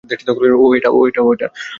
ওহ এটা!